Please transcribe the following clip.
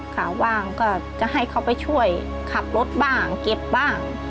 ข่าวว่างก็จะให้เขาไปช่วยขับรถบ้างเก็บบ้าง